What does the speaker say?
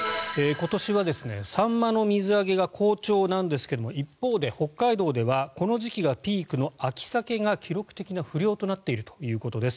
今年はサンマの水揚げが好調なんですが一方で、北海道ではこの時期がピークの秋サケが記録的な不漁となっているということです。